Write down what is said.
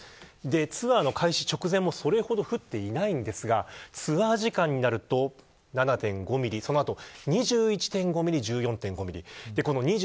ツアーの開始直前もそれほど降っていないんですがツアー時間になると７．５ミリその後、２１．５ミリ１４．５ミリ